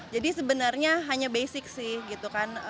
jadi sebenarnya hanya basic sih gitu kan